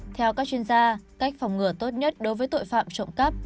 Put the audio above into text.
theo các chuyên gia cách phòng ngừa tốt nhất đối với tội phạm trộm cắp